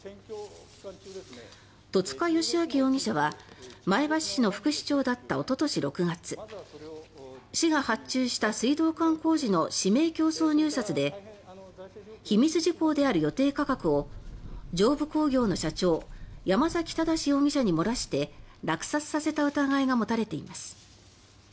戸塚良明容疑者は前橋市の副市長だったおととし６月市が発注した水道管工事の指名競争入札で秘密事項である予定価格を上武工業の社長、山崎正容疑者に漏らして落札させた疑いが持たれています。